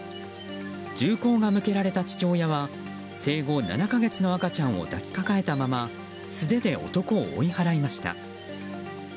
銃口が向けられた父親は生後７か月の赤ちゃんを抱きかかえたまま素手で男を追い払いました。